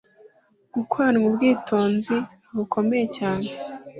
gukoranwa ubwitonzi bukomeye cyane